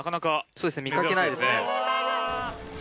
そうですね見かけないですね。